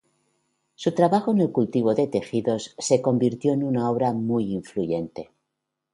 Su trabajo en el cultivo de tejidos se convirtió en una obra muy influyente.